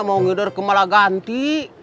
mau ngider ke malaganti